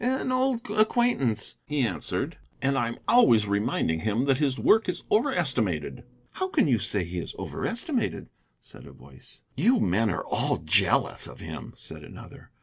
"An old acquaintance," he answered, "and I am always reminding him that his work is overestimated." "How can you say he is overestimated!" said a voice. "You men are all jealous of him," said another.